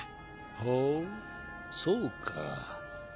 ほうそうか。